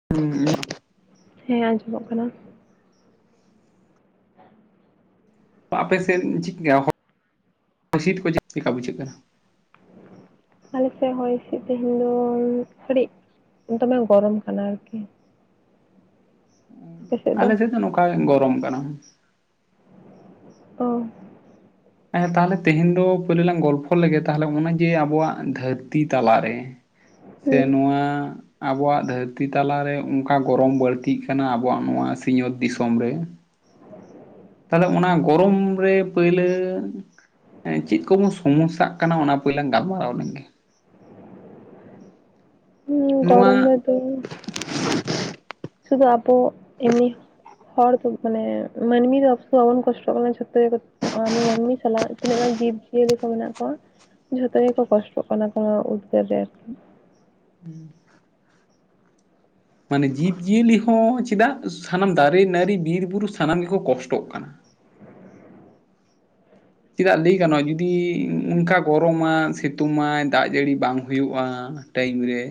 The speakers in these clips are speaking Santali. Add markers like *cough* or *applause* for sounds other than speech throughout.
ᱦ *unintelligible* ᱦᱮᱸ ᱟᱸᱡᱚ ᱢᱚᱜ ᱠᱟᱱᱟ᱾ ᱟᱯᱮ ᱥᱮᱫ *unintelligible* ᱥᱤᱴ ᱠᱚ ᱪᱮᱫ ᱪᱮᱠᱟ ᱵᱩᱡᱷᱟᱹᱜ ᱠᱟᱱᱟ? ᱟᱞᱮ ᱥᱮᱫ ᱦᱚᱭ ᱦᱤᱸᱥᱤᱫ ᱛᱮᱦᱮᱧ ᱫᱚ ᱠᱟᱹᱴᱤᱡ ᱫᱚᱢᱮ ᱜᱚᱨᱚᱢ ᱠᱟᱱᱟ ᱟᱨᱠᱤ᱾ ᱟᱞᱮ ᱥᱮᱫ ᱫᱚ ᱱᱚᱝᱠᱟ ᱜᱮ ᱜᱚᱨᱚᱢ ᱠᱟᱱᱟ᱾ ᱚᱻᱻ ᱮᱸ ᱛᱟᱦᱚᱞᱮ ᱛᱮᱦᱮᱧ ᱫᱚ ᱯᱳᱭᱞᱳ ᱞᱟᱝ ᱜᱚᱞᱯᱷᱚ ᱞᱮᱜᱮ ᱛᱟᱦᱚᱞᱮ ᱚᱱᱮ ᱡᱮ ᱟᱵᱚᱣᱟᱜ ᱫᱷᱟᱹᱨᱛᱤ ᱛᱟᱞᱟ ᱨᱮ ᱥᱮ ᱦᱩᱸ ᱱᱚᱣᱟ ᱟᱵᱚᱣᱟᱜ ᱫᱷᱟᱹᱨᱛᱤ ᱛᱟᱞᱟ ᱨᱮ ᱚᱱᱠᱟ ᱜᱚᱨᱚᱢ ᱵᱟᱹᱲᱛᱤᱜ ᱠᱟᱱᱟ ᱟᱵᱚᱣᱟᱜ ᱱᱚᱣᱟ ᱥᱤᱧᱚᱹᱛ ᱫᱤᱥᱚᱢ ᱨᱮ᱾ ᱛᱟᱞᱮ ᱚᱱᱟ ᱜᱚᱨᱚᱢ ᱨᱮ ᱯᱟᱹᱭᱞᱟᱹ ᱪᱮᱫ ᱠᱚᱵᱚᱱ ᱥᱚᱢᱚᱥᱟᱜ ᱠᱟᱱᱟ ᱚᱱᱟ ᱯᱟᱹᱭᱞᱟᱹ ᱞᱟᱝ ᱜᱟᱞᱢᱟᱨᱟᱣ ᱞᱮᱱ ᱜᱮ᱾ ᱦᱩᱸ ᱱᱚᱣᱟ ᱜᱚᱨᱚᱢ ᱨᱮ ᱛᱮᱦᱮᱧ ᱥᱩᱫᱩ ᱟᱵᱚ ᱤᱭᱟᱹ ᱦᱚᱲ ᱛᱚ ᱢᱟᱱᱮ ᱢᱟᱹᱱᱢᱤ ᱫᱚ ᱚᱥᱩ ᱚᱢᱚᱱ ᱠᱚᱥᱴᱚ ᱠᱟᱱᱟ ᱪᱷᱚᱛᱚ ᱜᱮᱠᱚ ᱟ ᱢᱟᱹᱱᱢᱤ ᱥᱟᱞᱟᱜ ᱛᱤᱱᱟᱹᱜ ᱜᱟᱱ ᱡᱤᱵᱽᱡᱤᱭᱟᱹᱞᱤ ᱠᱚ ᱢᱮᱱᱟᱜ ᱠᱚᱣᱟ? ᱡᱷᱚᱛᱚ ᱜᱮᱠᱚ ᱠᱚᱥᱴᱚᱜ ᱠᱟᱱᱟ ᱠᱚ ᱩᱫᱽᱜᱟᱹᱨ ᱨᱮ ᱟᱨᱠᱤ᱾ ᱦᱩᱸ ᱢᱟᱱᱮ ᱡᱤᱵᱽᱡᱤᱭᱟᱹᱞᱤ ᱦᱚᱸ ᱪᱮᱫᱟᱜ ᱥᱟᱱᱟᱢ ᱫᱟᱨᱮ ᱱᱟᱹᱲᱤ ᱵᱤᱨ ᱵᱩᱨᱩ ᱥᱟᱱᱟᱢ ᱜᱮ ᱠᱚ ᱠᱚᱥᱴᱚᱜ ᱠᱟᱱᱟ᱾ ᱪᱮᱫᱟᱜ ᱞᱟᱹᱭ ᱜᱟᱱᱚᱜᱼᱼᱟ ᱡᱩᱫᱤ ᱚᱱᱠᱟ ᱜᱚᱨᱚᱢᱟ ᱥᱤᱛᱩᱝ ᱟᱭ ᱫᱟᱜ ᱡᱟᱹᱲᱤ ᱵᱟᱝ ᱦᱩᱭᱩᱜᱼᱟ᱾ ᱴᱟᱭᱤᱢ ᱨᱮ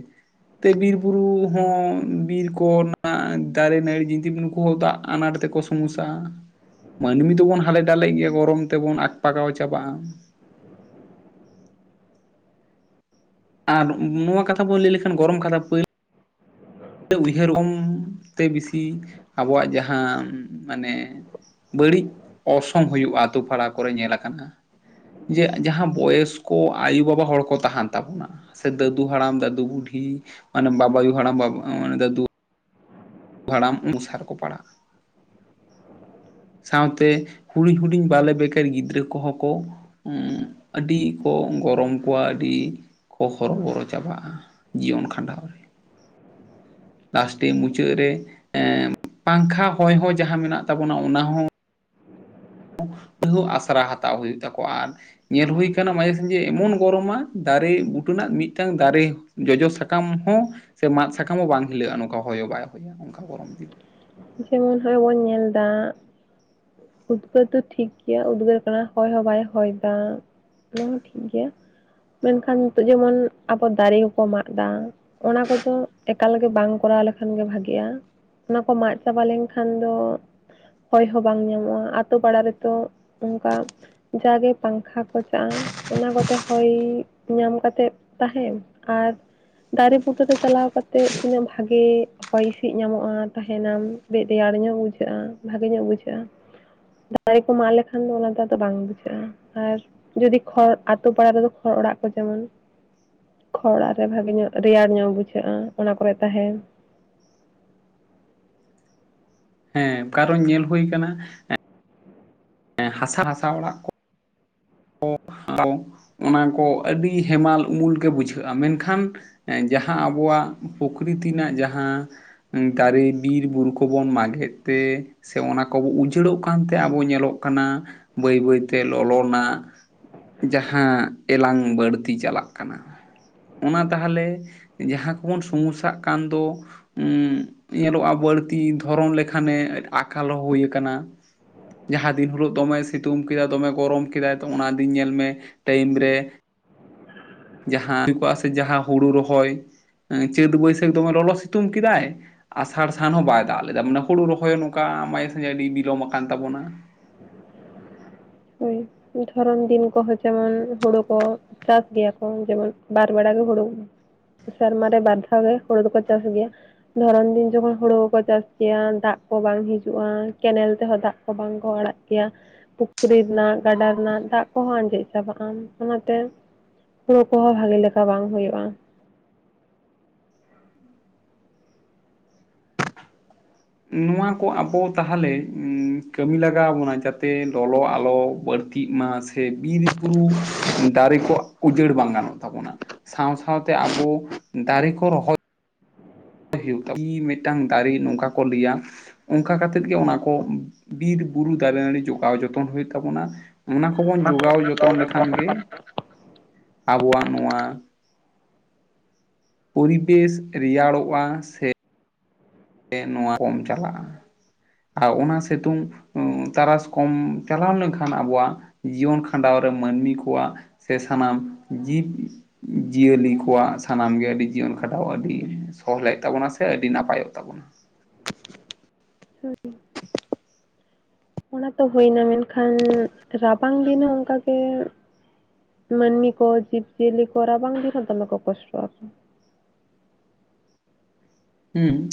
ᱛᱮ ᱵᱤᱨ ᱵᱩᱨᱩ ᱦᱚᱸ ᱵᱤᱨ ᱠᱚ ᱚᱱᱟ ᱫᱟᱨᱮ ᱱᱟᱹᱲᱤ ᱡᱤᱱᱛᱤ ᱱᱩᱠᱩ ᱦᱚᱸ ᱫᱟᱜ ᱟᱱᱟᱴ ᱛᱮ ᱠᱚ ᱥᱚᱢᱚᱥᱟ ᱢᱟᱹᱱᱢᱤ ᱫᱚᱵᱚᱱ ᱦᱟᱞᱮ ᱰᱟᱞᱮᱜ ᱜᱮᱭᱟ ᱜᱚᱨᱚᱢ ᱛᱮ ᱵᱚᱱ ᱟᱴᱼᱯᱟᱠᱟᱣ ᱪᱟᱵᱟᱜᱼᱟ᱾ ᱟᱨ ᱱᱚᱣᱟ ᱠᱟᱛᱷᱟ ᱵᱚᱱ ᱞᱟᱹᱭ ᱞᱮ ᱠᱷᱟᱱ ᱜᱚᱨᱚᱢ ᱠᱟᱛᱷᱟ ᱯᱟᱹᱭᱞᱟᱹ ᱩᱭᱦᱟᱹᱨ ᱠᱚᱢ ᱛᱮ ᱵᱮᱥᱤ ᱟᱵᱚᱣᱟᱜ ᱡᱟᱦᱟᱸ ᱢᱟᱱᱮ ᱵᱟᱹᱲᱤᱡ ᱚᱨᱥᱚᱝ ᱦᱩᱭᱩᱜᱼᱟ ᱟᱛᱳ ᱯᱟᱲᱟ ᱠᱚᱨᱮ ᱧᱮᱞ ᱟᱠᱟᱱᱟ᱾ ᱡᱮ ᱡᱟᱦᱟᱸ ᱵᱚᱭᱚᱥ ᱠᱚ ᱟᱭᱳᱼᱵᱟᱵᱟ ᱦᱚᱲ ᱠᱚ ᱛᱟᱦᱮᱱ ᱛᱟᱵᱚᱱᱟ ᱥᱮ ᱫᱟᱹᱫᱩ ᱦᱟᱲᱟᱢ ᱫᱟᱹᱫᱩ ᱵᱩᱰᱷᱤ ᱢᱟᱱᱮ ᱵᱟᱵᱟᱭ ᱦᱟᱲᱟᱢ ᱵᱟ ᱢᱟᱱᱮ ᱫᱟᱹᱫᱩ ᱵᱷᱟᱲᱟᱢ, ᱩᱱᱟᱜ ᱥᱟᱴ ᱠᱚ ᱯᱟᱲᱟᱜᱼᱟ᱾ ᱥᱟᱶᱛᱮ, ᱦᱩᱰᱤᱧ ᱼᱦᱩᱰᱤᱧ ᱵᱟᱞᱮ ᱵᱮᱠᱮᱨ ᱜᱤᱫᱽᱨᱟᱹ ᱠᱚᱦᱚᱸ ᱠᱚᱼᱼ ᱦᱩᱸ ᱟᱹᱰᱤ ᱠᱚ ᱜᱚᱨᱚᱢ ᱠᱚᱣᱟ ᱟᱹᱰᱤ᱾ ᱠᱚ, ᱦᱚᱨᱚᱵᱚᱨᱚ ᱪᱟᱵᱟᱜᱼᱟ ᱡᱤᱭᱚᱱ ᱠᱷᱟᱸᱰᱟᱣ ᱨᱮ, ᱞᱟᱥᱴᱮ ᱢᱩᱪᱟᱹᱫᱼᱼ ᱢᱩᱪᱟᱹᱫ ᱨᱮ, ᱮᱸ ᱯᱟᱝᱠᱷᱟ ᱦᱚᱭ ᱦᱚᱸ ᱡᱟᱦᱟᱸ ᱢᱮᱱᱟᱜ ᱛᱟᱵᱚᱱᱟ ᱚᱱᱟ ᱦᱚᱸᱼᱼ ᱵᱷᱩᱝ, ᱛᱟᱹᱩᱦ ᱟᱥᱲᱟ ᱦᱟᱛᱟᱣ ᱦᱩᱭᱩᱜ ᱛᱟᱠᱚᱣᱟ ᱟᱨᱼᱼ ᱧᱮᱞ ᱦᱩᱭ ᱟᱠᱟᱱᱟ ᱢᱟᱡᱷᱮ ᱥᱟᱡᱷᱮ ᱮᱢᱚᱱ ᱜᱚᱨᱚᱢᱟ ᱫᱟᱨᱮ ᱵᱩᱴᱟᱹᱱᱟᱜ ᱢᱤᱫᱴᱟᱝ ᱫᱟᱨᱮᱼᱼ ᱡᱚᱡᱚ ᱥᱟᱠᱟᱢ ᱦᱚᱸ ᱥᱮ ᱢᱟᱫ ᱥᱟᱠᱟᱢ ᱦᱚᱸ ᱵᱟᱝ ᱦᱤᱞᱟᱹᱜᱼᱟ ᱱᱚᱝᱠᱟ ᱦᱚᱭ ᱦᱚᱸ ᱵᱟᱭ ᱦᱚᱭᱟ ᱚᱱᱠᱟ ᱜᱚᱨᱚᱢ ᱫᱤᱱ᱾ ᱡᱮᱢᱚᱱ ᱦᱚᱜᱼᱚᱭ ᱵᱚᱱ ᱧᱮᱞ ᱫᱟᱼᱼ ᱩᱫᱽᱜᱟᱹᱨ ᱫᱚ ᱴᱷᱤᱠ ᱜᱮᱭᱟ ᱩᱫᱽᱜᱟᱹᱨ ᱠᱟᱱᱟ ᱦᱚᱭ ᱦᱚᱸ ᱵᱟᱭ ᱦᱚᱭ ᱫᱟ᱾ ᱚᱱᱟ ᱦᱚᱸ ᱴᱷᱤᱠ ᱜᱮᱭᱟ ᱢᱮᱱᱠᱷᱟᱱ ᱱᱤᱛᱚᱜ ᱡᱮᱢᱚᱱ ᱟᱵᱚ ᱫᱟᱨᱮ ᱦᱚᱸᱠᱚ ᱢᱟᱜ ᱮᱫᱟ ᱾ ᱚᱱᱟ ᱠᱚᱫᱚ ᱮᱠᱟᱞ ᱜᱮ ᱵᱟᱝ ᱠᱚᱨᱟᱣ ᱞᱮᱠᱷᱟᱱ ᱜᱮ ᱵᱷᱟᱜᱮᱜᱼᱟ ᱚᱱᱟ ᱠᱚ ᱢᱟᱜᱼᱼ ᱪᱟᱵᱟ ᱞᱮᱱᱠᱷᱟᱱ ᱫᱚ ᱦᱚᱭ ᱦᱚᱸ ᱵᱟᱝ ᱧᱟᱢᱚᱜᱼᱟ ᱟᱛᱳ ᱯᱟᱲᱟ ᱨᱮᱛᱚ ᱚᱱᱠᱟᱼᱼ ᱡᱟᱜᱮ ᱯᱟᱝᱠᱷᱟ ᱠᱚ ᱪᱟᱜᱼᱟ ᱚᱱᱟ ᱠᱚᱛᱮ ᱦᱚᱭ ᱧᱟᱢ ᱠᱟᱛᱮᱜᱼᱼ ᱛᱟᱦᱮᱱ ᱟᱨᱼᱼ ᱫᱟᱨᱮ, ᱹ ᱵᱩᱴᱟᱹ ᱨᱮ ᱪᱟᱞᱟᱣ ᱠᱟᱛᱮᱜ ᱛᱤᱱᱟᱹᱜ ᱵᱷᱟᱜᱮ, ᱹ ᱦᱚᱭ ᱦᱤᱥᱤᱫ ᱧᱟᱢᱚᱜᱼᱟ ᱛᱟᱦᱮᱱᱟᱢ, ᱾ ᱹᱢᱤᱫ ᱨᱮᱭᱟᱲ ᱧᱚᱜ ᱵᱩᱡᱷᱟᱹᱜᱼᱟ ᱵᱷᱟᱹᱜᱮᱹ ᱧᱚᱜ ᱵᱩᱡᱷᱟᱹᱜᱼᱟ᱾ ᱫᱟᱨᱮ ᱠᱚ ᱢᱟᱜ ᱞᱮᱠᱷᱟᱱ ᱫᱚ ᱚᱱᱟ ᱫᱚ ᱟᱫᱚ ᱵᱟᱝ ᱵᱩᱡᱷᱟᱹᱜᱼᱟ ᱟᱨᱼᱼ ᱡᱩᱫᱤ ᱠᱷᱚᱲ ᱟᱛᱳ ᱯᱟᱲᱟ ᱨᱮᱫᱚ ᱠᱷᱚᱲ ᱚᱲᱟᱜ ᱠᱚ ᱡᱮᱢᱚᱱᱼᱼ ᱠᱷᱚᱲ ᱚᱲᱟᱜ ᱨᱮ ᱵᱷᱟᱜᱮ, ᱧᱚᱜ ᱨᱮᱭᱟᱲ ᱧᱚᱜ ᱵᱩᱡᱷᱟᱹᱜ ᱟ ᱚᱱᱟ ᱠᱚᱨᱮ ᱛᱟᱦᱮᱱ ᱾ ᱦᱮᱸ, ᱠᱟᱨᱚᱱ ᱧᱮᱞ ᱦᱳᱭ ᱠᱟᱱᱟ ᱮᱸᱜ ᱮᱸ ᱦᱟᱥᱟ, ᱦᱟᱥᱟ ᱚᱲᱟᱜ ᱠᱚ ᱾ ᱠᱚᱯ ᱠᱚ ᱚᱱᱟ ᱠᱚ ᱟᱹᱰᱤ ᱦᱮᱢᱟᱞ ᱩᱢᱩᱞ ᱜᱮ ᱵᱩᱡᱷᱟᱹᱜ ᱟ ᱢᱮᱱᱠᱷᱟᱱ ᱮᱸ ᱡᱟᱸᱦᱟᱸ ᱟᱵᱚᱣᱟᱜ ᱯᱩᱠᱨᱤ ᱛᱤᱱᱟᱜ ᱡᱟᱸᱦᱟᱸ, ᱩᱸ ᱫᱟᱨᱮ ᱵᱤᱨᱵᱩᱨᱩ ᱠᱚᱵᱚᱱ ᱢᱟᱜᱮᱫ ᱛᱮ ᱾ ᱥᱮ ᱚᱱᱟ ᱠᱚ ᱩᱪᱟᱹᱲᱚᱜ ᱠᱟᱱᱛᱮ ᱟᱵᱚ ᱧᱮᱞᱚᱜ ᱠᱟᱱᱟ ᱵᱟᱹᱭ ᱵᱟᱹᱭᱛᱮ ᱞᱚᱞᱚᱱᱟᱜ᱾ ᱡᱟᱸᱦᱟᱸ ᱮᱞᱟᱝ ᱵᱟᱹᱲᱛᱤ ᱪᱟᱞᱟᱜ ᱠᱟᱱᱟ ᱚᱱᱟ ᱛᱟᱦᱚᱞᱮ ᱡᱟᱸᱦᱟᱸ ᱠᱚᱵᱚᱱ ᱥᱩᱢᱩᱥᱥᱟᱜ ᱠᱟᱱ ᱫᱚ ᱩᱸ ᱧᱮᱞᱚᱜ ᱟ ᱵᱟᱹᱲᱛᱤ ᱫᱷᱚᱨᱚᱱ ᱞᱮᱠᱷᱟᱱᱮ ᱟᱠᱟᱞ ᱦᱳᱭᱠᱟᱱᱟ᱾ ᱡᱟᱸᱦᱟᱸ ᱫᱤᱱ ᱦᱤᱞᱳᱜ ᱫᱚᱢᱮ ᱥᱤᱛᱩᱝ ᱠᱮᱫᱟ ᱫᱚᱢᱮ ᱜᱚᱨᱚᱢ ᱠᱮᱫᱟᱭ ᱚᱱᱟ ᱫᱤᱱ ᱧᱮᱞ ᱢᱮ ᱴᱟᱹᱭᱤᱢ ᱨᱮ ᱡᱟᱦᱟᱸ ᱦᱩᱭ ᱠᱚᱜ-ᱟ ᱥᱮ ᱡᱟᱦᱟᱸ ᱦᱩᱲᱩ ᱨᱚᱦᱚᱭ ᱮᱸ ᱪᱟᱹᱛ ᱵᱟᱹᱭᱥᱟᱹᱠᱷ ᱫᱚᱢᱮ ᱞᱚᱞᱚ ᱥᱤᱛᱩᱝ ᱠᱮᱫᱟᱭ ᱟᱥᱟᱲ ᱥᱟᱱ ᱦᱚᱸ ᱵᱟᱭ ᱫᱟᱜ ᱞᱮᱫᱟ ᱟᱥᱟᱲ ᱥᱟᱱ ᱦᱚ ᱵᱟᱭ ᱫᱟᱜ ᱞᱮᱫᱟ ᱢᱟᱱᱮ ᱦᱩᱲᱩ ᱨᱚᱦᱚᱭ ᱦᱚᱸ ᱱᱚᱝᱠᱟ ᱢᱟᱡᱮ ᱥᱟᱡᱮ ᱟᱹᱰᱤ ᱵᱤᱞᱚᱢ ᱟᱠᱟᱱ ᱛᱟᱵᱚᱱᱟ ᱾ ᱦᱳᱭ, ᱫᱷᱚᱨᱚᱱ ᱫᱤᱱ ᱠᱚᱦᱚᱸ ᱡᱮᱢᱚᱱ ᱦᱳᱲᱳ ᱠᱚ ᱪᱟᱥ ᱜᱮᱭᱟ ᱠᱚ ᱡᱮᱢᱚᱱ ᱵᱟᱨ ᱵᱮᱲᱟ ᱜᱮ ᱦᱳᱲᱳ᱾ ᱥᱮᱨᱢᱟ ᱨᱮ ᱵᱟᱨ ᱫᱷᱟᱣ ᱜᱮ ᱦᱳᱲᱳ ᱫᱚᱠᱚ ᱪᱟᱥ ᱜᱮᱭᱟ᱾ ᱫᱷᱚᱨᱚᱱ ᱫᱤᱱ ᱡᱚᱠᱷᱚᱱ ᱦᱳᱲᱳ ᱠᱚᱠᱚ ᱪᱟᱥ ᱜᱮᱭᱟ ᱫᱟᱜ ᱠᱚ ᱵᱟᱝ ᱦᱤᱡᱩᱜᱼᱟ ᱠᱮᱱᱮᱞ ᱛᱮᱸᱦᱚᱸ ᱫᱟᱜ ᱵᱟᱝ ᱠᱚ ᱟᱲᱟᱜ ᱠᱮᱭᱟ ᱥᱩᱠᱨᱤ ᱨᱮᱱᱟᱜ ᱜᱟᱰᱟ ᱨᱮᱱᱟᱜ ᱫᱟᱜ ᱠᱚᱦᱚᱸ ᱟᱸᱡᱮᱫ ᱪᱟᱵᱟᱜ ᱟ ᱚᱱᱟᱛᱮ ᱦᱳᱲᱳ ᱠᱚᱸᱦᱚᱸ ᱵᱷᱟᱜᱮᱹᱞᱮᱠᱟ ᱵᱟᱝ ᱦᱳᱭᱳᱜ ᱟ ᱾ ᱱᱚᱣᱟ ᱠᱚ ᱟᱵᱚ ᱛᱟᱦᱚᱞᱮ ᱩᱸ ᱠᱟᱹᱢᱤ ᱞᱟᱜᱟᱣ ᱵᱚᱱᱟ ᱡᱟᱛᱮ ᱞᱚᱞᱚ ᱟᱞᱚ ᱵᱟᱹᱲᱛᱤᱜ᱾ ᱤᱡ ᱢᱟ ᱥᱮ ᱵᱤᱨ ᱵᱩᱨᱩ ᱫᱟᱨᱮᱹ ᱠᱚ ᱩᱡᱟᱹᱲ ᱵᱟᱝ ᱜᱟᱱᱚᱜ ᱛᱟᱵᱚᱱᱟ᱾ ᱥᱟᱶ ᱥᱟᱶᱛᱮ ᱟᱵᱳ ᱫᱟᱨᱮ ᱠᱚ ᱨᱚᱦᱚᱭ᱾ ᱦᱤᱞ ᱠᱟᱹᱢᱤ ᱢᱤᱫᱴᱟᱝ ᱫᱟᱲᱮ ᱱᱚᱝᱠᱟ ᱠᱚ ᱞᱮᱭᱟ᱾ ᱚᱱᱠᱟ ᱠᱟᱛᱮᱫ ᱜᱮ ᱚᱱᱟ ᱠᱚ ᱵᱤᱨ ᱵᱩᱨᱩ ᱫᱟᱨᱮ ᱱᱟᱹᱲᱤ ᱡᱚᱜᱟᱣ ᱡᱚᱛᱚᱱ ᱦᱳᱭᱳᱜ ᱛᱟᱵᱚᱱᱟ ᱚᱱᱟ ᱠ ᱠᱚᱵᱚᱱ ᱡᱚᱜᱟᱣ ᱡᱚᱛᱚᱱ ᱞᱮᱠᱷᱟᱱ ᱜᱮ, ᱟᱵᱚᱣᱟᱜ ᱱᱚᱣᱟ ᱯᱚᱨᱤᱵᱮᱥ ᱨᱮᱭᱟᱲᱚᱜᱼᱟ, ᱥᱮ ᱥᱮ ᱱᱚᱣᱟ ᱠᱚᱢ ᱪᱟᱞᱟᱜᱼᱟ ᱾ ᱟᱣ ᱚᱱᱟ ᱥᱮᱛᱩᱝ ᱛᱟᱨᱟᱥ ᱠᱚᱢ ᱪᱟᱞᱟᱣ ᱞᱮᱱᱠᱷᱟᱱ ᱟᱵᱚᱣᱟᱜ ᱡᱤᱭᱚᱱ ᱠᱷᱟᱱᱰᱟᱣ ᱨᱮ ᱢᱟᱹᱱᱢᱤ ᱠᱚᱣᱟᱜ ᱥᱮ ᱥᱟᱱᱟᱢ ᱡᱤᱵ ᱡᱤᱭᱟᱹᱞᱤ ᱠᱚᱣᱟᱜ ᱥᱟᱱᱟᱢ ᱜᱮ ᱟᱹᱰᱤ ᱡᱤᱭᱟᱹᱱ ᱠᱷᱟᱱᱰᱟᱣ ᱟᱹᱰᱤ ᱥᱚᱦᱞᱮᱜ ᱛᱟᱵᱚᱱᱟ ᱥᱮ ᱟᱹᱰᱤ ᱱᱟᱯᱟᱭᱚᱜ ᱛᱟᱵᱚᱱᱟ᱾ ᱚᱱᱟ ᱛᱚ ᱦᱳᱭᱱᱟ ᱢᱮᱱᱠᱷᱟᱱ ᱨᱟᱵᱟᱝ ᱫᱤᱱ ᱦᱚᱸ ᱚᱝᱠᱟᱜᱮ ᱢᱟᱹᱱᱢᱤ ᱠᱚ ᱡᱤᱵ ᱡᱤᱭᱟᱹᱞᱤ ᱠᱚ ᱨᱟᱵᱟᱝ ᱫᱤᱱ ᱦᱚ ᱫᱚᱢᱮ ᱠᱚ ᱠᱚᱥᱴᱚᱜ ᱟᱠᱚ᱾ ᱦᱩᱸ᱾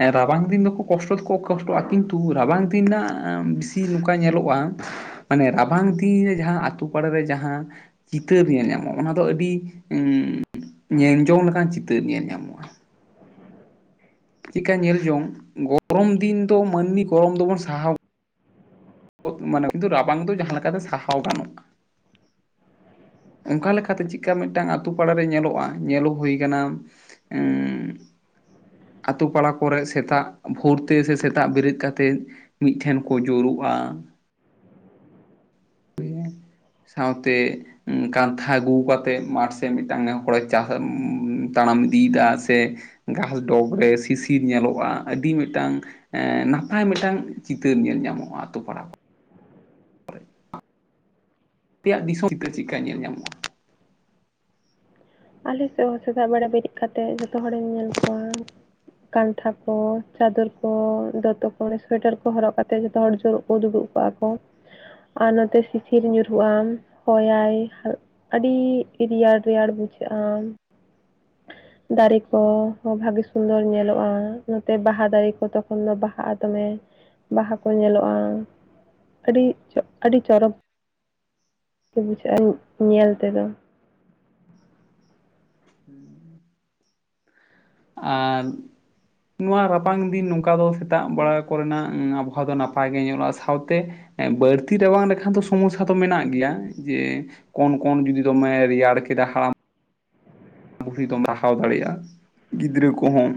ᱮ ᱨᱟᱵᱟᱝ ᱫᱤᱱ ᱫᱚᱠᱚ ᱠᱚᱥᱴᱚ ᱫᱚᱠᱚ ᱠᱚᱥᱴᱚᱜ-ᱟ, ᱠᱤᱱᱛᱩ ᱨᱟᱵᱟᱝ ᱫᱤᱱ ᱨᱮᱱᱟᱜ ᱥᱤ ᱱᱚᱝᱠᱟ ᱧᱮᱞᱚᱜᱼᱟ, ᱢᱟᱱᱮ ᱨᱟᱵᱟᱝ ᱫᱤᱱ ᱨᱮ ᱡᱟᱸᱦᱟᱸ ᱟᱛᱩ ᱯᱟᱲ ᱨᱮ ᱡᱟᱸᱦᱟᱸ ᱪᱤᱛᱟᱹᱨ ᱧᱮᱞ ᱧᱟᱢᱚᱜ ᱚᱱᱟ ᱫᱚ ᱟᱹᱰᱤ ᱧᱮᱞᱡᱚᱝ ᱞᱮᱠᱟᱱ ᱪᱤᱛᱟᱹᱨ ᱧᱮᱞ ᱧᱟᱢᱚᱜᱼᱟ᱾ ᱪᱮᱠᱟ ᱧᱮᱞ ᱡᱚᱝ, ᱜᱚᱨᱚᱢ ᱫᱤᱱ ᱫᱚ ᱢᱟᱹᱱᱢᱤ ᱜᱚᱨᱚᱢ ᱫᱚᱵᱚᱱ ᱥᱟᱦᱟᱣ ᱢᱟᱱᱮ ᱠᱤᱱᱛᱩ ᱨᱟᱵᱟᱝ ᱫᱚ ᱡᱟᱸᱦᱟᱸ ᱞᱮᱠᱟᱛᱮ ᱥᱟᱦᱟᱣ ᱜᱟᱱᱚᱜᱼᱟ᱾ ᱚᱝᱠᱟ ᱞᱮᱠᱟᱛᱮ ᱪᱮᱫᱠᱟ ᱢᱤᱫᱴᱟᱱ ᱟᱛᱩ ᱯᱟᱲᱟᱨᱮ ᱧᱮᱞᱚᱜᱼᱟ ᱧᱮᱞᱚ ᱦᱳᱭ ᱠᱟᱱᱟ, ᱩᱸᱻ ᱟᱛᱳ ᱯᱟᱲᱟ ᱠᱚᱨᱮ ᱥᱮᱛᱟᱜ ᱵᱷᱳᱨ ᱛᱮ ᱥᱮ ᱥᱮᱛᱟᱜ ᱵᱮᱨᱮᱫ ᱠᱟᱛᱮᱫ ᱢᱤᱫ ᱴᱷᱮᱱ ᱠᱚ ᱡᱳᱨᱳᱜᱼᱟ᱾ ᱥᱟᱶᱛᱮ ᱠᱟᱱᱛᱷᱟ ᱜᱩᱜᱩ ᱠᱟᱛᱮᱜ ᱢᱟᱴᱷ ᱥᱮᱫ ᱢᱤᱫᱴᱟᱱ ᱦᱚᱲᱮ ᱪᱟᱥ ᱛᱟᱲᱟᱢ ᱤᱫᱤᱭᱫᱟ, ᱥᱮ ᱜᱷᱟᱸᱥ ᱰᱚᱜᱽ ᱨᱮ ᱥᱤᱥᱤᱨ ᱧᱮᱞᱚᱜᱼᱟ, ᱟᱹᱰᱤ ᱢᱤᱴᱟᱝ ᱮᱸ ᱱᱟᱯᱟᱭ ᱢᱤᱫᱴᱟᱝ ᱪᱤᱛᱟᱹᱨ ᱧᱮᱞ ᱧᱟᱢᱚᱜᱼᱟ ᱟᱛᱳ ᱯᱟᱲᱟ ᱟᱯᱮᱭᱟᱜ ᱫᱤᱥᱚ ᱪᱤᱛᱟᱹ ᱪᱮᱜᱠᱟ ᱧᱮᱞ ᱧᱟᱢᱚᱜᱼᱟ? ᱟᱞᱮ ᱥᱮᱫ ᱦᱚᱸ ᱥᱮᱛᱟᱜ ᱵᱮᱲᱟ ᱵᱮᱨᱮᱫ ᱠᱟᱛᱮᱜ ᱡᱷᱚᱛᱚ ᱦᱚᱲᱤᱧ ᱧᱮᱞ ᱠᱳᱣᱟ ᱠᱟᱱᱛᱷᱟ ᱠᱚ ᱪᱟᱫᱚᱨ ᱠᱚ ᱫᱚᱛᱚ ᱠᱚ ᱨᱮ ᱥᱳᱣᱮᱴᱟᱨ ᱠᱚ ᱦᱚᱨᱚᱜ ᱠᱟᱛᱮ ᱡᱷᱚᱛᱚ ᱦᱚᱲ ᱡᱳᱨᱳᱜ ᱠᱚ ᱫᱩᱲᱩᱵ ᱠᱚᱜᱼᱟᱠᱚ, ᱟᱨ ᱱᱚᱛᱮ ᱥᱤᱥᱤᱨ ᱧᱩᱨᱦᱩᱜᱼᱟ ᱦᱚᱭ ᱟᱭ ᱟᱨ ᱟᱹᱰᱤ ᱨᱤᱭᱟᱲ ᱨᱤᱭᱟᱲ ᱵᱩᱡᱷᱟᱹᱜᱼᱟ᱾ *inaudible* ᱫᱟᱨᱮ ᱠᱚ ᱦᱚᱸ ᱵᱷᱟᱹᱜᱮ ᱥᱩᱱᱫᱚᱨ ᱧᱮᱞᱚᱜᱼᱟ, ᱱᱚᱛᱮ ᱵᱟᱦᱟ ᱫᱟᱨᱮ ᱠᱚ ᱛᱚᱠᱷᱚᱱ ᱫᱚ ᱵᱟᱦᱟᱜᱼᱟ ᱫᱚᱢᱮ᱾ ᱵᱟᱦᱟ ᱠᱚ ᱧᱮᱞᱚᱜᱼᱟ, ᱟᱹᱰᱤ ᱪᱚ ᱟᱹᱰᱤ ᱪᱚᱨᱚᱠ ᱜᱮ ᱵᱩᱡᱷᱟᱹᱜᱼᱟ ᱧᱮᱞ ᱛᱮᱫᱚ᱾ ᱩᱸᱻ ᱟᱨ ᱱᱚᱣᱟ ᱨᱟᱵᱟᱝ ᱫᱤᱱ ᱱᱚᱝᱠᱟ ᱫᱚ ᱥᱮᱛᱟᱜ ᱵᱟᱲᱟ ᱠᱚ ᱨᱮᱱᱟᱜ ᱟᱵᱚᱦᱟᱣᱟ ᱫᱚ ᱱᱟᱯᱟᱭ ᱜᱮ ᱧᱮᱞᱚᱜᱼᱟ, ᱥᱟᱶᱛᱮ ᱮᱸ ᱵᱟᱹᱲᱛᱤ ᱨᱟᱵᱟᱝ ᱞᱮᱠᱷᱟᱱ ᱫᱚ ᱥᱚᱢᱚᱥᱥᱟ ᱫᱚ ᱢᱮᱱᱟᱜ ᱜᱮᱭᱟ, ᱡᱮ ᱠᱚᱱ ᱠᱚᱱ ᱡᱩᱫᱤ ᱫᱚᱢᱮ ᱨᱮᱭᱟᱲ ᱠᱮᱫᱟ ᱦᱟᱲᱟᱢ ᱵᱩᱲᱦᱤ ᱫᱚᱢ ᱨᱟᱦᱟᱣ ᱫᱟᱲᱮᱭᱟᱜᱼᱟ, ᱜᱤᱫᱽᱨᱟᱹ ᱠᱚᱦᱚᱸ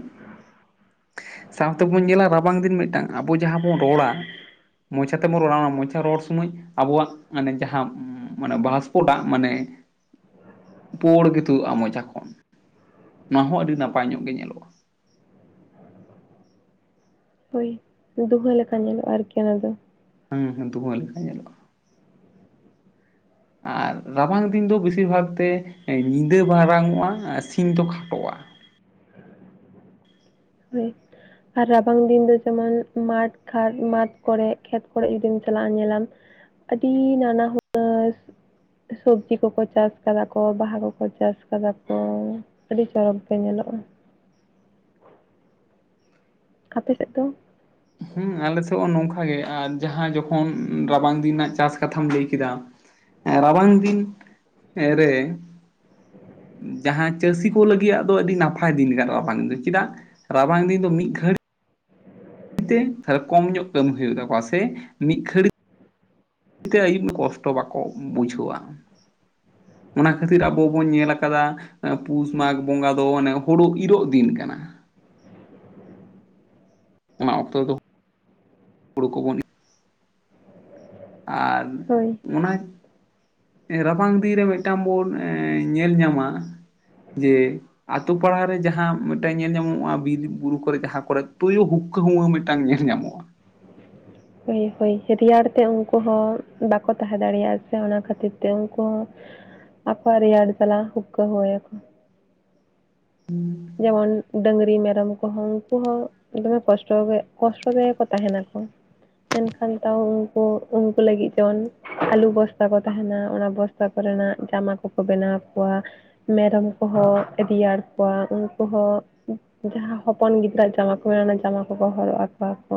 ᱥᱟᱶᱛᱮ ᱵᱚᱱ ᱧᱮᱞᱟ ᱨᱟᱵᱟᱝ ᱫᱤᱱ ᱢᱤᱫᱴᱟᱝ ᱟᱵᱚ ᱡᱟᱦᱟᱸ ᱵᱚᱱ ᱨᱚᱲᱟ ᱢᱚᱪᱟ ᱛᱮᱵᱚᱱ ᱨᱚᱲᱟ ᱚᱱᱟ ᱢᱚᱪᱟ ᱨᱚᱲ ᱥᱚᱢᱚᱭ ᱟᱵᱚᱣᱟᱜ ᱟᱱᱮ ᱡᱟᱦᱟᱸ ᱢᱟᱱᱮ ᱵᱟᱥᱯᱚᱴᱟᱜ ᱢᱟᱱᱮ ᱯᱳᱲ ᱜᱮ ᱛᱩᱫᱩᱜᱼᱟ ᱢᱚᱪᱟ ᱠᱚᱱ ᱚᱱᱟ ᱦᱚᱸ ᱟᱹᱰᱤ ᱱᱟᱯᱟᱭ ᱧᱚᱜ ᱜᱮ ᱧᱮᱞᱚᱜᱼᱟ᱾ ᱦᱳᱭ ᱫᱩᱦᱟᱹ ᱞᱮᱠᱟ ᱧᱮᱞᱚᱜᱼᱟ ᱟᱨᱠᱤ ᱚᱱᱟ ᱫᱚ᱾ ᱦᱩᱸ ᱦᱩᱸ ᱫᱩᱸᱦᱟᱹ ᱞᱮᱠᱟ ᱧᱮᱞᱚᱜᱼᱟ᱾ ᱟᱨ ᱨᱟᱵᱟᱝ ᱫᱤᱱ ᱫᱚ ᱵᱤᱥᱤᱨ ᱵᱷᱟᱜᱽ ᱛᱮ ᱦᱮᱸ ᱧᱤᱫᱟᱹ ᱢᱟᱨᱟᱝ ᱚᱜᱼᱟ ᱟᱨ ᱥᱤᱧ ᱫᱚ ᱠᱷᱟᱴᱚᱜᱼᱟ ᱳᱭᱮᱴ ᱟᱨ ᱨᱟᱵᱟᱝ ᱫᱤᱱ ᱫᱚ ᱡᱮᱢᱚᱱ ᱢᱟᱴᱷ ᱠᱷᱟᱴ ᱢᱟᱴᱷ ᱠᱚᱨᱮ ᱠᱷᱮᱛ ᱠᱚᱨᱮ ᱡᱩᱫᱤᱢ ᱪᱟᱞᱟᱜᱼᱟ ᱧᱮᱞᱟᱢ ᱟᱹᱰᱤ ᱱᱟᱱᱟ ᱦᱩᱱᱟᱹᱨ ᱥᱚᱵᱡᱤ ᱠᱚᱠᱚ ᱪᱟᱥ ᱠᱟᱫᱟ ᱠᱚ ᱵᱟᱦᱟ ᱠᱚᱠᱚ ᱪᱟᱥ ᱠᱟᱫᱟ ᱠᱚ ᱟᱹᱰᱤ ᱪᱚᱨᱚᱠ ᱜᱮ ᱧᱮᱞᱚᱜᱼᱟ᱾ ᱟᱯᱮ ᱥᱮᱫ ᱫᱚ? ᱦᱩᱸ ᱟᱞᱮ ᱥᱮᱫ ᱦᱚᱸ ᱱᱚᱝᱠᱟ ᱜᱮ ᱟᱨ ᱡᱟᱦᱟᱸ ᱡᱚᱠᱷᱚᱱ ᱨᱟᱵᱟᱝ ᱫᱤᱱ ᱱᱟᱜ ᱪᱟᱥ ᱠᱟᱛᱷᱟᱢ ᱞᱟᱹᱭ ᱠᱮᱫᱟ ᱮ ᱨᱟᱵᱟᱝ ᱫᱤᱱ ᱨᱮ ᱡᱟᱦᱟᱸ ᱪᱟᱹᱥᱤ ᱠᱚ ᱞᱟᱹᱜᱤᱫ ᱟᱜ ᱫᱚ ᱟᱹᱰᱤ ᱱᱟᱯᱟᱭ ᱫᱤᱱ ᱜᱟᱨᱚᱜᱼᱟ ᱵᱟᱝ ᱫᱚ ᱪᱮᱫᱟᱜ ᱨᱟᱵᱟᱝ ᱫᱤᱱ ᱫᱚ ᱢᱤᱫ ᱜᱷᱟᱹᱲᱤ *unintelligible* ᱠᱚᱢ ᱧᱚᱜ ᱠᱟᱹᱢᱤ ᱦᱩᱭᱩᱜ ᱛᱟᱠᱚᱣᱟ ᱥᱮ ᱢᱤᱫ ᱜᱷᱟᱹᱲᱤ ᱛᱮ ᱟᱹᱭᱩᱵ ᱠᱚᱥᱴᱚ ᱵᱟᱠᱚ ᱵᱩᱡᱷᱟᱹᱣᱟ ᱚᱱᱟ ᱠᱷᱟᱹᱛᱤᱨ ᱟᱵᱚ ᱵᱚᱱ ᱧᱮᱞ ᱟᱠᱟᱫᱟ ᱮ ᱯᱩᱥ ᱢᱟᱜᱽ ᱵᱚᱸᱜᱟ ᱫᱚ ᱚᱱᱮ ᱦᱩᱲᱩ ᱤᱨᱚᱜ ᱫᱤᱱ ᱠᱟᱱᱟ᱾ ᱚᱱᱟ ᱚᱠᱛᱚ ᱫᱚ ᱦᱩᱲᱩ ᱠᱚᱵᱚᱱ ᱤ ᱟᱨ ᱦᱳᱭ ᱚᱱᱟ ᱨᱟᱵᱟᱝ ᱫᱤᱱ ᱨᱮ ᱢᱤᱫᱴᱟᱝ ᱵᱚᱱ ᱧᱮᱞ ᱧᱟᱢᱟ ᱡᱮ ᱟᱛᱳ ᱯᱟᱲᱟ ᱨᱮ ᱡᱟᱦᱟᱸ ᱢᱤᱫᱴᱮᱱ ᱧᱮᱞ ᱧᱟᱢᱚᱜᱼᱟ ᱵᱤᱨ ᱵᱩᱨᱩ ᱠᱚᱨᱮᱜ ᱡᱟᱦᱟᱸ ᱠᱚᱨᱮᱜ ᱛᱩᱭᱩ ᱦᱩᱠ ᱦᱩᱠᱠᱟᱹ ᱦᱩᱸᱣᱟᱹ‌ ᱢᱤᱫᱴᱟᱝ ᱧᱮᱞ ᱧᱟᱢᱚᱜᱼᱟ ᱦᱳᱭ ᱦᱳᱭ ᱨᱮᱭᱟᱲ ᱛᱮ ᱩᱱᱠᱩ ᱦᱚᱸ ᱵᱟᱠᱚ ᱛᱟᱦᱮᱸ ᱫᱟᱲᱮᱭᱟᱜᱼᱟ ᱥᱮ ᱚᱱᱟ ᱠᱷᱟᱹᱛᱤᱨ ᱛᱮ ᱩᱱᱠᱩ ᱦᱚᱸ ᱟᱠᱚᱣᱟᱜ ᱨᱮᱭᱟᱲ ᱡᱟᱞᱟ ᱦᱩᱠᱠᱟᱹ ᱦᱩᱣᱟᱹ ᱭᱟᱠᱚ *inaudible* ᱡᱮᱢᱚᱱ ᱰᱟᱹᱝᱨᱤ ᱢᱮᱨᱚᱢ ᱠᱚᱦᱚᱸ ᱩᱱᱠᱩ ᱦᱚᱸ ᱫᱚᱢᱮ ᱠᱚᱥᱴᱚ ᱜᱮ ᱠᱚᱥᱴᱚ ᱛᱮᱜᱮ ᱠᱚ ᱛᱟᱦᱮ ᱱᱟᱠᱚ ᱢᱮᱱᱠᱷᱟᱱ ᱛᱟᱣ ᱩᱱᱠᱩ ᱩᱱᱠᱩ ᱞᱟᱹᱜᱤᱫ ᱡᱮᱢᱚᱱ ᱟᱞᱩ ᱵᱚᱥᱛᱟ ᱠᱚ ᱛᱟᱦᱮᱱᱟ ᱚᱱᱟ ᱵᱚᱥ ᱛᱟ ᱠᱚᱨᱮ ᱱᱟᱜ ᱡᱟᱢᱟ ᱠᱚᱠᱚ ᱵᱮᱱᱟᱣ ᱟᱠᱚᱣᱟ ᱢᱮᱨᱚᱢ ᱠᱚᱦᱚᱸ ᱨᱮᱭᱟᱲ ᱠᱚᱣᱟ ᱩᱱᱠᱩ ᱦᱚᱸ ᱡᱟᱦᱟᱸ ᱦᱚᱯᱚᱱ ᱜᱤᱫᱽᱨᱟᱹᱣᱟᱜ ᱡᱟᱢᱟ ᱠᱚ ᱢᱮᱱᱟᱜᱼᱟ ᱚᱱᱟ ᱡᱟᱢᱟ ᱠᱚᱠᱚ ᱦᱚᱨᱚᱜ ᱟᱠᱚᱣᱟ ᱠᱚ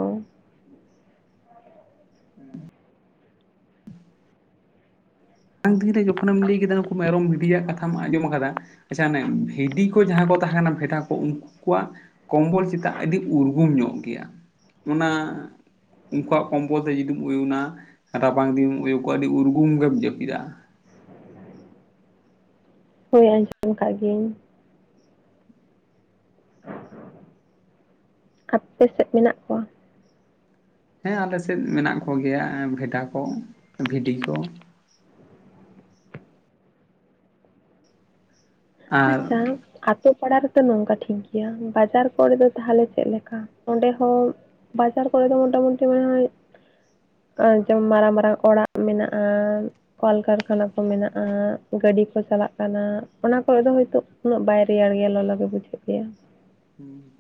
*unintelligible* ᱡᱚᱠᱷᱚᱢ ᱮᱢ ᱞᱟᱹᱭ ᱠᱮᱫᱟ ᱱᱩᱠᱩ ᱢᱮᱨᱚᱢ ᱵᱷᱤᱰᱤᱭᱟᱜ ᱠᱟᱛᱷᱟᱢ ᱟᱸᱡᱚᱢ ᱟᱠᱟᱫᱟ ᱟᱪᱪᱷᱟ ᱚᱱᱮ ᱵᱷᱤᱰᱤ ᱠᱚ ᱡᱟᱦᱟᱸᱭ ᱠᱚ ᱛᱟᱦᱮᱸᱱᱟ ᱵᱷᱮᱰᱟ ᱠᱚ ᱩᱱᱠᱩ ᱠᱚᱣᱟᱜ ᱠᱚᱢᱵᱚᱞ ᱪᱮᱛᱟ ᱟᱹᱰᱤ ᱩᱨᱜᱩᱢ ᱧᱚᱜ ᱜᱮᱭᱟ ᱚᱱᱟ ᱩᱱᱠᱩᱣᱟᱜ ᱠᱚᱢᱵᱚᱞ ᱛᱮ ᱡᱩᱫᱤᱢ ᱩᱭᱩᱱᱟ ᱨᱟᱵᱟᱝ ᱫᱤᱱ ᱩᱭᱩᱠᱚ-ᱟ ᱟᱹᱰᱤ ᱩᱨᱜᱩᱢ ᱜᱮᱢ ᱡᱟᱹᱯᱤᱫᱟ ᱦᱩᱭ ᱟᱸᱡᱚᱢ ᱠᱟᱜ ᱜᱤᱭᱟᱹᱧ ᱟᱯᱮ ᱥᱮᱫ ᱢᱮᱱᱟᱜ ᱠᱚᱣᱟ? ᱦᱮᱸ ᱟᱞᱮ ᱥᱮᱫ ᱢᱮᱱᱟᱜ ᱠᱚ ᱜᱮᱭᱟ ᱵᱷᱮᱰᱟ ᱠᱚ ᱵᱷᱤᱰᱤ ᱠᱚ ᱟᱨ ᱟᱪᱪᱷᱟ ᱟᱯ ᱛᱳ ᱯᱟᱲᱟ ᱨᱮᱫᱚ ᱱᱚᱝᱠᱟ ᱴᱷᱤᱠ ᱜᱮᱭᱟ ᱵᱟᱡᱟᱨ ᱠᱚᱨᱮ ᱫᱚ ᱛᱟᱦᱚᱞᱮ ᱪᱮᱫ ᱞᱮᱠᱟ ᱚᱸᱰᱮ ᱦᱚᱸ ᱵᱟᱡᱟᱨ ᱠᱚᱨᱮ ᱫᱚ ᱢᱳᱴᱟᱢᱩᱴᱤ ᱢᱟᱱᱮ ᱦᱚᱭ ᱟᱨ ᱡᱮᱢᱚᱱ ᱢᱟᱲᱟᱝ ᱢᱟᱲᱟᱝ ᱚᱲᱟᱜ ᱢᱮᱱᱟᱜᱼᱟ᱾ ᱠᱚᱞᱠᱟᱨᱠᱷᱟᱱᱟ ᱠᱚ ᱢᱮᱱᱟᱜᱼᱟ ᱜᱟᱹᱰᱤ ᱠᱚ ᱪᱟᱞᱟᱜ ᱠᱟᱱᱟ ᱚᱱᱟᱠ ᱠᱚᱭ ᱫᱚ ᱦᱚᱭᱛᱳ ᱩᱱᱟᱹᱜ ᱵᱟᱭ ᱨᱮᱭᱟᱲ ᱜᱮᱭᱟ ᱞᱚᱞᱚ ᱜᱮ ᱵᱩᱡᱷᱟᱹᱜ ᱜᱮᱭᱟ ᱦᱩᱸ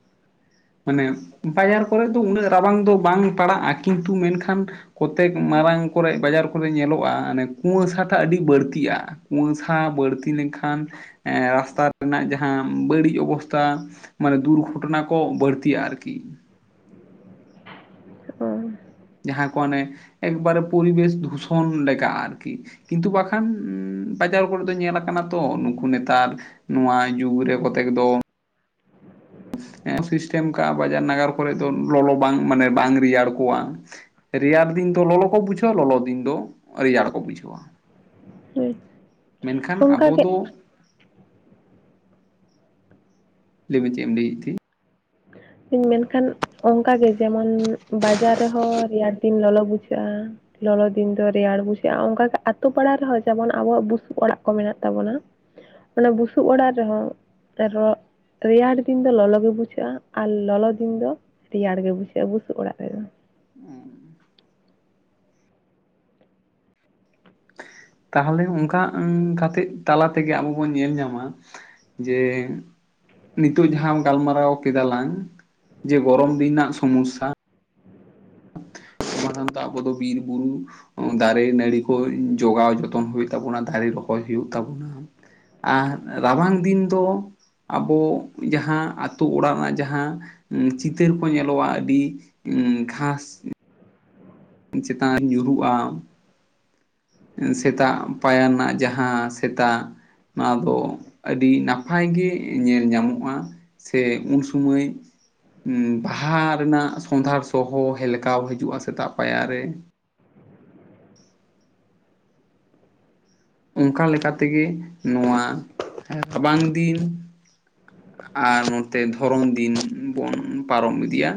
ᱢᱟᱱᱮ ᱵᱟᱡᱟᱨ ᱠᱚᱨᱮᱜ ᱫᱚ ᱩᱱᱟᱹᱜ ᱨᱟᱵᱟᱝ ᱫᱚ ᱵᱟᱝ ᱯᱟᱲᱟᱜᱼᱟ ᱠᱤᱱᱛᱩ ᱢᱮᱱᱠᱷᱟᱱ ᱠᱚᱛᱮᱠ ᱢᱟᱨᱟᱝ ᱠᱚᱨᱮᱜ ᱵᱟᱡᱟᱨ ᱠᱚᱨᱮ ᱧᱮᱞᱚᱜᱼᱟ ᱢᱟᱱᱮ ᱠᱩᱸᱣᱟᱹᱥᱟ ᱴᱟᱜ ᱟᱹᱰᱤ ᱵᱟᱹᱲᱛᱤᱜᱼᱟ ᱠᱩᱸᱣᱟᱹᱥᱟ ᱵᱟᱹᱲᱛᱤ ᱞᱮᱱᱠᱷᱟᱱ ᱮ ᱨᱟᱥᱛᱟ ᱨᱮᱱᱟᱜ ᱡᱟᱦᱟᱸ ᱵᱟᱹᱲᱤᱡ ᱚᱵᱚᱥᱛᱷᱟ ᱢᱟᱱᱮ ᱫᱩᱨᱜᱷᱚᱴᱚᱱᱟ ᱠᱚ ᱵᱟᱹᱲᱛᱤᱜᱼᱟ ᱟᱨᱠᱤ ᱚ ᱡᱟᱦᱟᱸ ᱠᱚ ᱚᱱᱮ ᱮᱠᱵᱟᱨᱮ ᱯᱚᱨᱵᱮᱥ ᱫᱷᱩᱥᱚᱱ ᱞᱮᱠᱟ ᱟᱨᱠᱤ ᱠᱤᱱᱛᱩ ᱵᱟᱠᱷᱟᱱ ᱵᱟᱡᱟᱨ ᱠᱚᱨᱮ ᱫᱚ ᱧᱮᱞᱟ ᱟᱠᱟᱱᱟ ᱛᱚ ᱱᱩᱠᱩ ᱱᱮᱛᱟᱨ ᱱᱚᱣᱟ ᱡᱩᱜᱽ ᱨᱮ ᱠᱚᱛᱮᱠ ᱫᱚ ᱥᱤᱥᱴᱮᱢ ᱠᱟᱜ-ᱟ ᱵᱟᱡᱟᱨ ᱱᱟᱜᱟᱨ ᱠᱚᱨᱮ ᱫᱚ ᱞᱚᱞᱚ ᱵᱟᱝ ᱢᱟᱱᱮ ᱵᱟᱝ ᱨᱮᱭᱟᱲ ᱠᱚᱣᱟ ᱨᱮᱭᱟᱲ ᱫᱤᱱ ᱫᱚ ᱞᱚᱞᱚ ᱠᱚ ᱵᱩᱡᱷᱟᱹᱣᱟ ᱞᱚᱞᱚ ᱫᱤᱱ ᱫᱚ ᱨᱮᱭᱟᱲ ᱠᱚ ᱵᱩᱡᱷᱟᱹᱣᱟ ᱦᱩᱸ ᱢᱮᱱᱠᱷᱟᱱ ᱟᱵᱚ ᱫᱚ ᱞᱟᱹᱭ ᱢᱮ ᱪᱮᱫ ᱮᱢ ᱞᱟᱹᱭᱮᱫ ᱛᱷᱮ ᱢᱮᱱᱠᱷᱟᱱ ᱚᱱᱠᱟᱜᱮ ᱡᱮᱢᱚᱱ ᱵᱟᱡᱟᱨ ᱨᱮᱦᱚᱸ ᱨᱮᱭᱟᱲ ᱫᱤᱱ ᱞᱚᱞᱚ ᱵᱩᱡᱷᱟᱹᱜᱼᱟ ᱞᱚᱞᱚ ᱫᱤᱱ ᱫᱚ ᱨᱮᱭᱟᱲ ᱵᱩᱡᱷᱟᱹᱜᱼᱟ ᱚᱱᱠᱟ ᱜᱮ ᱟᱛᱩ ᱯᱟᱲᱟ ᱨᱮᱦᱚᱸ ᱡᱮᱢᱚᱱ ᱟᱵᱚᱣᱟᱜ ᱵᱩᱥᱩᱵ ᱚᱲᱟᱜ ᱠᱚ ᱢᱮᱱᱟᱜ ᱛᱟᱵᱚᱱᱟ ᱚᱱᱟ ᱵᱩᱥᱩᱵ ᱚᱲᱟᱜ ᱨᱮᱦᱚᱸ ᱨᱮᱭᱟᱲ ᱫᱤᱱ ᱫᱚ ᱞᱚᱞᱚ ᱜᱮ ᱵᱩᱡᱷᱟᱹᱜᱼᱟ ᱟᱨ ᱞᱚᱞᱚ ᱫᱤᱱ ᱫᱚ ᱨᱮᱭᱟᱲ ᱜᱮ ᱵᱩᱡᱷᱟᱹᱜᱼᱟ ᱵᱩᱥᱩᱵ ᱚᱲᱟᱜ ᱨᱮᱫᱚ ᱩᱸ ᱛᱟᱦᱚᱞᱮ ᱚᱱᱠᱟ ᱠᱟᱛᱮᱜ ᱛᱟᱞᱟ ᱛᱮᱜᱮ ᱟᱵᱚ ᱵᱚᱱ ᱧᱮᱞ ᱧᱟᱢᱟ ᱡᱮ ᱱᱤᱛᱚᱜ ᱡᱟᱦᱟᱸ ᱜᱟᱞᱢᱟᱨᱟᱣ ᱠᱮᱫᱟ ᱞᱟᱝ ᱡᱮ ᱜᱚᱨᱚᱢ ᱫᱤᱱ ᱨᱮᱱᱟᱜ ᱥᱚᱢᱚᱥᱥᱟ ᱢᱟᱨᱟᱝ ᱫᱚ ᱟᱵᱚ ᱫᱚ ᱵᱤᱨ ᱵᱩᱨᱩ ᱫᱟᱨᱮ ᱱᱟᱹᱲᱤ ᱠᱚ ᱡᱚᱜᱟᱣ ᱡᱚᱛᱚᱱ ᱦᱩᱭᱩᱜ ᱛᱟᱵᱳᱱᱟ ᱫᱟᱨᱮ ᱨᱚᱦᱚᱭ ᱦᱩᱭᱩᱜ ᱛᱟᱵᱚᱱᱟ ᱟᱨ ᱨᱟᱵᱟᱝ ᱫᱤᱱ ᱫᱚ ᱟᱵᱚ ᱡᱟᱦᱟᱸ ᱟᱛᱳ ᱚᱲᱟᱜ ᱨᱮᱱᱟᱜ ᱡᱟᱦᱟᱸ ᱪᱤᱛᱟᱹᱨ ᱠᱚ ᱧᱮᱞᱚᱜᱼᱟ ᱟᱹᱰᱤ ᱜᱷᱟᱸᱥ ᱪᱮᱛᱟᱱ ᱨᱮ ᱧᱩᱨᱩ ᱟ ᱥᱮᱛᱟᱜ ᱯᱟᱭᱟ ᱨᱮᱱᱟᱜ ᱡᱟᱦᱟᱸ ᱥᱮᱛᱟᱜ ᱱᱚᱣᱟ ᱫᱚ ᱟᱹᱰᱤ ᱱᱟᱯᱟᱭ ᱜᱮ ᱧᱮᱞ ᱧᱟᱢᱚᱜᱼᱟ ᱥᱮ ᱩᱱ ᱥᱚᱢᱚᱭ ᱵᱟᱦᱟ ᱨᱮᱱᱟᱜ ᱥᱚᱸᱫᱷᱟᱲ ᱥᱚᱸ ᱦᱚᱸ ᱦᱮᱞᱠᱟᱣ ᱦᱤᱡᱩᱜᱼᱟ ᱥᱮᱛᱟᱜ ᱯᱟᱭᱟᱨᱮ ᱚᱝᱠᱟ ᱞᱮᱠᱟ ᱛᱮᱜᱮ ᱱᱚᱣᱟ ᱨᱟᱵᱟᱝ ᱫᱤᱱ ᱟᱨ ᱱᱚᱛᱮ ᱫᱷᱚᱨᱚᱱ ᱫᱤᱱ ᱵᱚᱱ ᱯᱟᱨᱚᱢ ᱤᱫᱤᱭᱟ